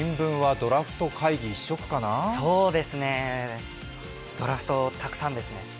ドラフトたくさんですね。